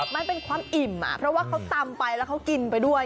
มันเป็นความอิ่มเพราะว่าเขาตำไปแล้วเขากินไปด้วย